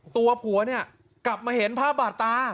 ตัวผัวเนี่ยกลับมาเห็นภาพบาดตา